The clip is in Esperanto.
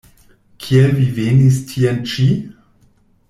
Kiel vi venis tien-ĉi?